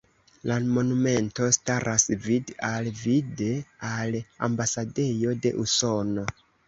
La monumento staras vid-al-vide al ambasadejo de Usono.